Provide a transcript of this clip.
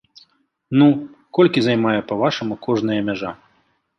Ну, колькі займае, па-вашаму, кожная мяжа?